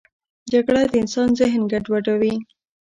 جګړه د انسان ذهن ګډوډوي